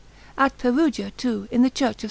At Perugia, too, in the Church of S.